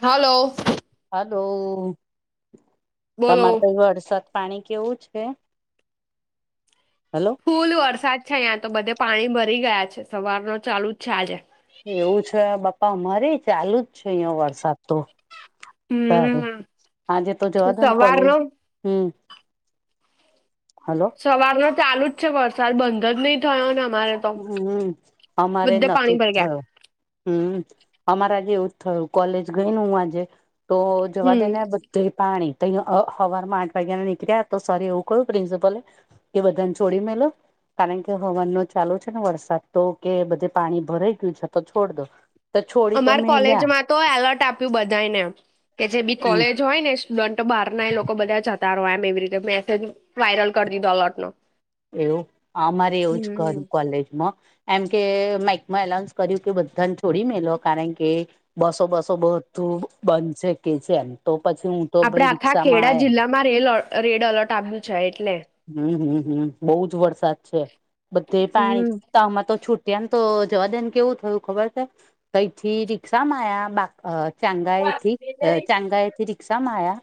હાલો hello બોલો. તમારે તો એ વરસાદ પાણી કેવું છે? હલો ફૂલ વરસાદ છે અહં તો બધે પાણી ભરી ગયા છે સવાર ન ચાલુ જ છે આજે એવું છે પપ્પા અમારે ચાલુ જ છે અહિયાં વરસાદ તો સારે હમ્મ. આજે તો જોવા દો ને કોલેજ સવારનો હમ્મ હલો સવાર ન ચાલુ જ છે વરસાદ બંધ જ નહી થયો અને હમ હમ અમારે પાણી નથી જ ભરી ગયા થયો હમ્મ અમારેજે એવું જ થયું કોલેજ ગઈ ન હું આજે તો જવા હમ્મ દે ને તો પાણી તો અહીં હવાર માં આઠ વાગ્યા ને નીકળ્યા તો સર એવું કહ્યું પ્રિન્સિપલે એ બધાને છોડી મે લો કારણ કે હોવાનોજ ચાલુ છે ને વરસાદ તો કે બધે પાણી ભરાઈ ગયું છે તો છોડ દો. તો છોડી તો અમાર મેલ્યા કોલેજમાં તો એલર્ટ આપ્યું બધાને કે જે બી કોલેજ જોય ને સ્ટુડન્ટ બાર ના એ લોકો બધા જતા રહો એમ એવી રીતે મેસેજ વાયરલ કરી દીધો એલોટ નો એવું અમારે એવું જ ઘર કોલેજમાંહ એમ કે માઈકમાં એલાઉન્સ કર્યું કે બધાને છોડી મે લો કારણ કે બસો બસો બું બંધ શકે છે એમ તો પછી હું. તો આપડે ભાઈ આખા રિક્ષામાં ખેડા આયા જિલ્લામાં રલ રેડ એલર્ટ આવ્યું છે એટલે હમ્મ હમ્મ હમ્મ બહુ જ વરસાદ છે બધે પાણી હમ્મ. આમાં તો છૂટ્યા ને તો જવા દે ને કેવું થયું ખબર છે કઈથી રિક્ષા માં આયા બાક અ ચાંગા એથી ચાંગા એથી રિક્ષા માયા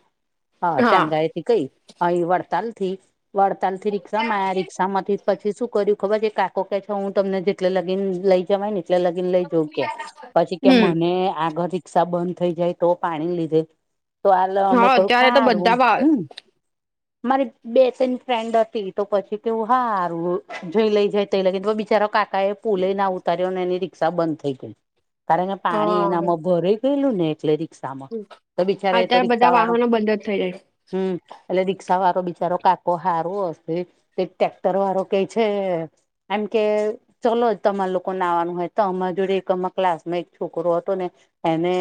હ હા ચાંગા કઈ અહી વડતાલ થી વડતાલ થી રિક્ષા માંયા શા માંથી પછી શું કર્યું ખબર છે કાકો કે છે હું તમને જેટલે લગીને લઈ જવાય ને એટલે લગીન લઈ જોઉ કે પછી કે હમ્મ. મને આગળ રિક્ષા બંધ થઈ જાય તો પાણી લીધે તો આલ અમે હા કોઈ અત્યારે તો ખારું બધા વા હમ મારી બે ત્રણ ફ્રેન્ડ હતી તો પછી તેવું સારું જઈ લઈ જઈ ત લ બિચારો કાકા એ પુલે ના ઉતાર્યોને એની રિ ક્ષા બંધ થઈ ગય કારણ કે પાણી હા એનામાં ભરાઈ ગયેલું ને એટલે રિક્ષામાં તો બિચા તો અત્યારે બધા રિક્ષા વાળું વાહનો બંધ જ થઈ જાય. હમ્મ એટલે રિક્ક્ષા વાળો બિચારો કાકો હારો હશે તે ટેક્ટર વાળો કે છે એમ કે ચાલ જ તમાર લોકોને આવવાનું હોય તો અમા જોડે એક અ ક્લાસ માં એક છોકરો હતો ને એને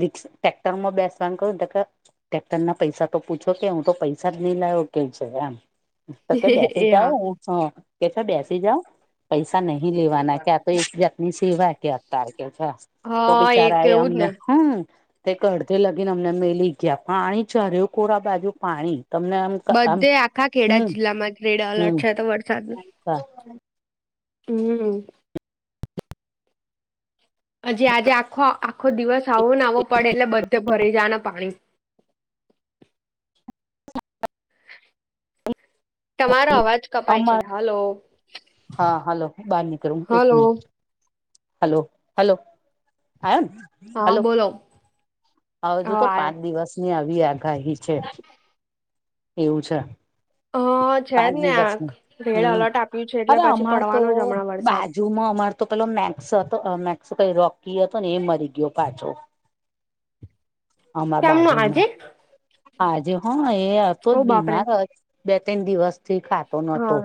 રિક ટટેક્ટરમાં બેસવાનું કું તો ટટેક્ટર ના પૈસા તો પૂછો કે હું તો પૈસા જ નહી લાવ કે છે એમ સ કે બે એ હા [unintelligible] કે છે બેસી જાઓ પૈસા નહી લેવાના ક્યાં તો એક જાતની સિવાય કે અતાર કે તો હા બિચારા તો એ એવું જ અમને ને હમ્મ તે કય અડધે લગીને અમને મે લઈ ગયા પાણી ચડે કોરા બાજુ પાણી તમને આમ બધે આખા ખેડા હમ જિલ્લામાં રેડ એલર્ટ છે તો વરસાદ નું હા. હમમ. હજી આજે આખો આખો દિવસ આવો ને આવો પડે એટલે બધે ભરય જાવા ના પાણી [inaudible] તમારો અવાજ કપાય છે અમા હલો. હા હલો હું બહાર નીકળું એક હલો મિનિટ હલો હલો આવે ને. હા હલો બોલો હજુ હ તો આયો પાંચ દિવસ ની આવી આગાહી છે. એવું છે. હા છે પાંચ જ ને દિવસ આ ની રેડ હમમ અલર્ટ આપ્યું છે એટલે અરે પછી આમાં તો પડવાનો જ હમણાં બાજ વરસાદ બાજુ માં અમાર તો પેલો મેક્સ હતો મેક્સ કઈ રોકી હતો ને એ મરી ગયો પાછો. [inaudible] અમાર કેમનું આજે બાજુમાં આજે હા એ હતો જ ઓ બાપરે બીમાર બે ત્રણ દિવસ થી ખાતો નતો હા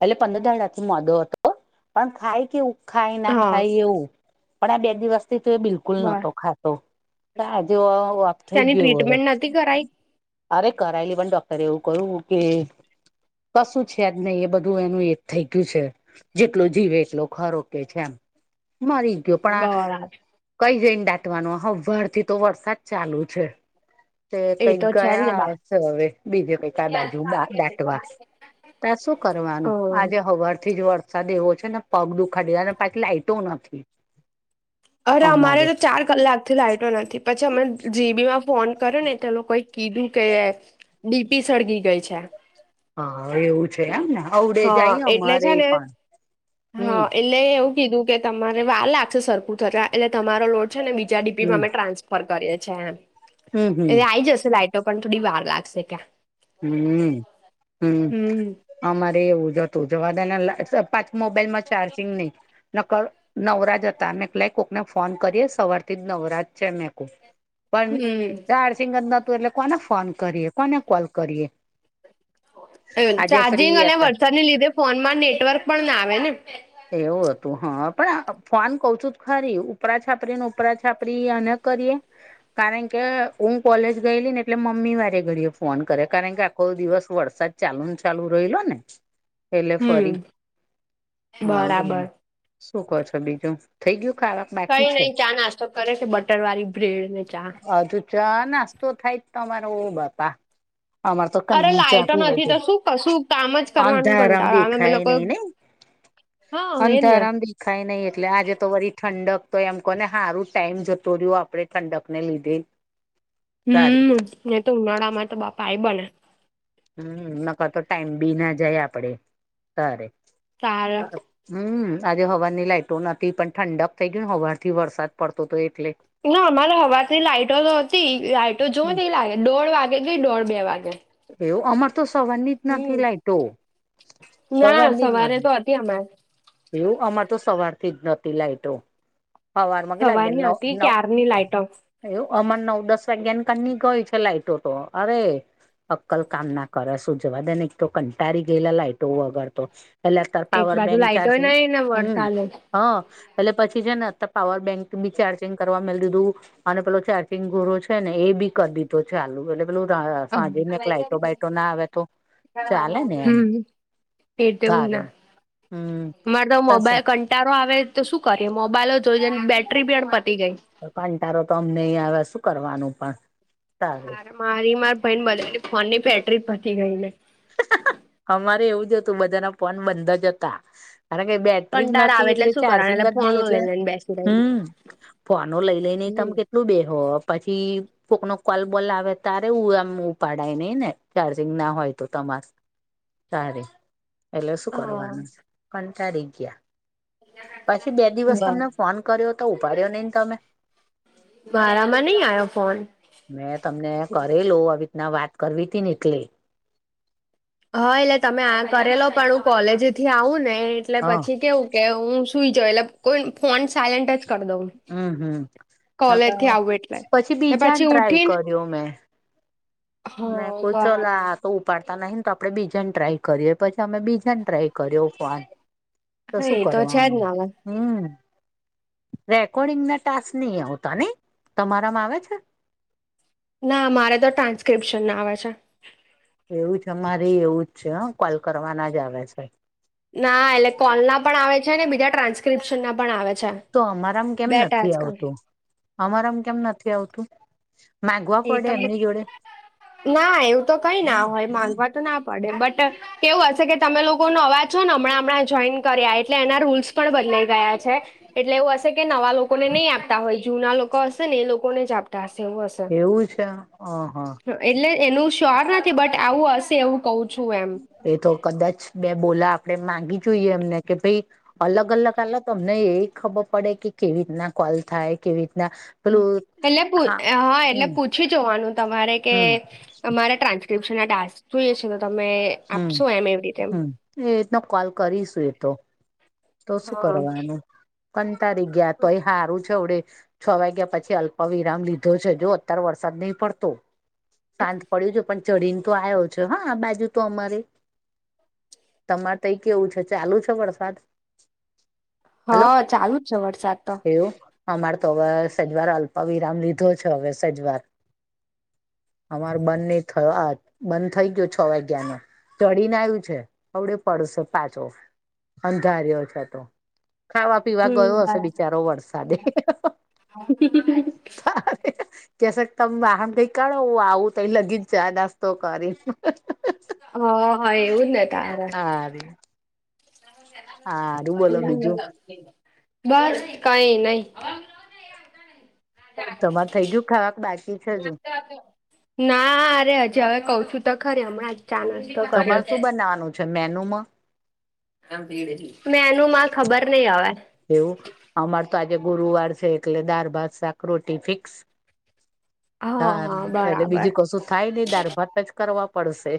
એટલે પંદર દાણા થી મોદો હતો પણ ખાય કેવું ખાય ના હા ખાય એવું પણ આ બે દિવસથી તો બિલકુલ બિલકુલ બર નતો ખાતો તો આજે વો ઓફ થઇ ત્યાંની ગયો વરો ટ્રીટમેન્ટ નથી કરાઈ અરે કરાયલી પણ ડોક્ટરે એવું કહ્યું કે કશું છે જ નય એ બધું એનું એક થઈ ગયું છે જેટલુ જીવે એટલો ખરો કે છે એમ. મરી ગીયો પણ આ બરાબર કઈ જઈને દાટવાનો હવાર થી તો વરસાદ ચાલુ છે. તે એ કઈક તો છે જ ને ગયા બાપ છે હવે બીજે કઈક બાજુમાં બા તા શું કરવાનું હમ આજે હ હવાર થી જ વરસાદ એવો છે ને પગ દુખાડયા ને પાછી લાઈટો નથી. અરે અમારે તો ચાર કલાક થી લાઈટો નથી પછી અમે જીબી માં ફોન કર્યો ને તે લોકોએ કીધું કે ડીપી સળગી ગઈ છે. હા એવું છે એમને અવડે જ હા આયી એટલે અમારે છે એ ને પણ હા હમમ. એટલે એવું કીધું કે તમારે વાર લાગશે સરખું થતા એટલે તમારો લોડ છે ને બીજા ડીપી માં હમ અમે ટ્રાન્સ ટ્રાન્સફર કરીએ છે એમ હમ હમ એ આવી જશે લાઈટો પણ થોડી વાર લાગશે ક્યાં હમમ હમમ હમ અમારે એવું જ હતું જવાદે ને પાછ મોબાઈલ માં ચાર્જિંગ નય. નકળ નવરાજ હતા મે કુ લાય કોકને ફોન કરીએ સવારથી જ નવરાજ છે મેં કીધું. પણ હમ ચાર્જિંગ જ નોતું એટલે કોને ફોન કરીએ, કોને કોલ કરીએ. અ આજે ચાર્જિંગ ફ્રી અને હતા વરસાદની લીધે ફોનમાં નેટવર્ક પણ ના આવે ને. એવું હતું હા પણ અ ફોન કઉ છું તો ખરી ઉપરા છાપરી ને ઉપરા છાપરી અને ન કરીએ. કારણ કે હું કોલેજ ગયેલી ને એટલે મમ્મી વારે ઘડીયે ફોન કરે કારણ કે આખો દિવસ વરસાદ ચાલુ ને ચાલુ રયલો ને એટલે ફરી હમ હા બોલો. બરાબર શું કો છો બીજું થઈ ગયું ખાવા કે બાકી કઈ નય છે ચા નાસ્તો કરે છે બટર વાળી બ્રેડ ને ચા. હજુ ચા, નાસ્તો થાય જ તમારે ઓવ બાપા. અમાર તો અરે કન્ની ચા લાાઈટો પીવાય નથી તો ગઈ શું કશું કામ જ કરવાનું અંધારામ કંટાળો આવે. અમે દેખાય લોકો નઈ ને હા એ જ ને કઈ નય એટલે આજે તો વરી ઠંડક તો એમ કોને સારું ટાઈમ જતો રહ્યો આપણેે ઠંડક ને લીધે [inaudible] હમમ ને તો ઉનાળા માં તો બાપા આયી બને. હમમ ન કર તો ટાઈમ બી ના જાય આપડે તારે. તારે. હમમ આજે હવારની લાઈટો નથી પણ ઠંડક થઈ ગય ને હવાર થી વરસાદ પડતો હતો એટલે ના અમારે હવારથી લાઈટો નોતી લાઈટો જોવો ને એ લાઈ દોઢ વાગે ગઈ દોઢ, બે વાગે. એવું અમાર તો સવારની જ હમ નથી લાઇટો. ના સવારની જ સવારે નહીં. તો હતી અમારે એવું અમાર તો સવારથી જ નતી લાઈટો. હવારમાં કેટલા લાગે સવારની હતી નવ નવ ક્યારની લાઈટો એવું અમર નવ દસ વાગ્યાની કની ગઈ છે લાઈટો તો અરે! અક્કલ કામ ના કરે શું જવા દે ને એક તો કંટાળી ગયેલા લાઈટો વગર તો. એટલે અતાર એક પાવર બાજુ બેંક લાઈટો ચાર્જિંગ નહીં ને હમ. વરસાદ જ હહ એટલે પછી છે ને અતર પાવર બેંક બી ચાર્જિંગ કરવા મેલ દીધું અને પેલો ચારચિંગ ઘોરો છે ને એ બી કર દીધો ચાલુ એટલે પેલું સાંજે મેં ચાલે ને એમ હમ એતો એવું જ ના. સારું હમ અમારે તો ત શું મોબાઈલ કન કંટાળો આવે તો શું કરીએ મોબાઈલો જોઈને જોઈને બેટરી પણ પતી ગઈ. તો કંટારો તો અમને એ આવે શું કરવાનું પણ તારે. અને મારી મારા ભઈની બધાની ફોનની બેટરી પતી ગઈ ને. અમારે એવું જ હતું બધાના ફોન બંધ જ હતા. કારણ કે બે બેટરી જ કંટાળો નતી આવે એટલે શું કરવાનું ચાર્જિંગ જ ફોન નહી એટલે લઈ લઈને બેસી હમ ફોનો લઈ લઈ ને તમ રહી. કેટ કેટલું બેહો પછી કોક નો કોલ બોલ આવે ત્યારે આમ ઉપાડાય નહી ને ચાર્જિંગ ના હોય. તો તમાર તારે એટલે શું કરવાનું હા કંટારી ગયા. પછી બે દિવસ તમને ફોન કર્યો તો ઉપાડ્યો નઈ ન તમે? મારામાં નહી આયો ફોન. મેં તમને કરેલો આવી રીતના વાત કરવી તીને એટલે. હા એટલે તમે આ કરેલો પણ હું કોલેજથી આવું ને એટલે હ પછી કેવું કે હું સુઈ જઉં એટલે કોઈન ફોન સાયલેન્ટ જ કર દઉં. નકા કોલેજથી આવું એટલે. પછી ને બીજાને પછી ટ્રાય ઉઠીને કર્યો મેં. મેં હા કુછ ઓલા બરાબર. તો ઉપાડતા નહી ને તો આપડે બીજાને ટ્રાય કરીએ પછી અમે બીજાને ટ્રાય કર્યો ફોન. તો હા શું એ છે જ કરવાનું. ને હવે હમ રેકોર્ડિંગના ટાસ્ક નહિ આવતા નહીં? તમારામાં આવે છે? ના મારે તો ટ્રાન્સ્ક્રિપ્શનના આવે છે. એવું છે અમારે એવું જ છે હહ. કોલ કરવાના જ આવે સે. ના એટલે કોલના પણ આવે છે, અને બીજા ટ્રાન્સ્ક્રિપ્શનના પણ આવે છે. તો અમારામ કેમ બે નથી ટાસ્ક આવતું? અમારામ કેમ નથી આવતું? માગવા એ પડે તમને એમની જોડે ના એવું તો કઈ ના હોય માંગવા તો ના પડે બટ કેવું હશે કે તમે લોકો નવા છો ને હમણાં હમણાં જોઈન કર્યા એટલે એના રૂલ્સ પણ બદલાઈ ગયા છે. એટલે એવું હશે કે નવા લોકો ને નહીં આપતા હોય જૂના લોકો હશે ને એ લોકોને જ આપતા હશે એવું હશે. એવું છે? અ હહ હહ એટલે એનું શ્યોર નથી બટ આવું હશે એવું કઉ છું એમ. એ તો કદાચ બે બોલા આપણેે માંગી જોઈએ એમને કે ભઈ અલગ અલગ આલો તો અમને એ ખબર પડે કે કેવી રીતના કોલ થાય, કેવી રીતના હમ પેલું એટલે પૂ હા એટલે હમ પૂછી જોવાનું તમારે કે હમ અમારે ટ્રાન્સ ક્રીપ્સનના ટાસ્ક જોઈએ છે તો તમે હમ આપશો એમ એવી રીતે હમ એ રીતનો કોલ કરીશું એ તો. તો શું હા કરવાનું. કંટાળી ગયા તોય હારું છે અવડે છ વાગ્યા પછી અલ્પ વિરામ લીધો છે. જો અત્યારે વરસાદ નહીં પડતો. શાંત પડ્યું છે પણ ચડીને તો આયો છે હા આ બાજુ તો અમારે. તમારે તઈ કેવું છે ચાલુ છે વરસાદ? હલો હહ ચાલુ જ છે વરસાદ તો. એવું અમારે તો હવે સેજવાર અલ્પવિરામ લીધો છે હવે સેજવાર. અમાર બંધ નહી થયો આ બંધ થઈ ગયો છ વાગ્યાનો. ચડીને આવ્યું છે અવડે પડશે પાછો અંધાર્યો છે તો. ખાવા પીવા હમ ગયો હશે બિચારો વરસાદે. હા. તે છે તમે વાહન કઈ કાઢો આવું તઈ લગી જ જાય નાસ્તો કરી. હ હા એવું ને તારે. હારીયુ. હમ્મ. બીજું બસ કઈ નહી. તમારે થઈ ગયું ખાવા બાકી છે કે હજુ? તો ના રે હજી હવે કઉ છું તો ખરે હમણાં ચાલસ તમારે શું બનાવાનું છે મેનુ માં? મેનુ માં ખબર નહી હવે. એવું અમાર તો આજે ગુરુવાર છે એટલે દાર ભાત શાક રોટી ફિક્સ હા, એટલે બીજું કશું થાય નઈ દારભાત જ કરવા પડશે.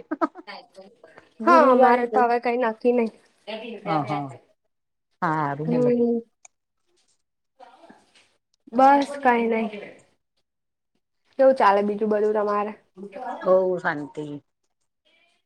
હા, ગુરુવાર મારે તો એટલે હવે કઈ નક્કી નહી. હા હારુ બોલો હમ બીજું? બસ કાઈ નહી. કેવું ચાલે બીજું બધું તમારે? હવ હાંતિ.